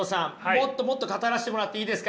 もっともっと語らせてもらっていいですか。